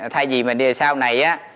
thay vì sau này